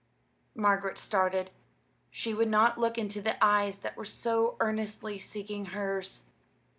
Margaret started. She would not look into the eyes that were so earnestly seeking hers.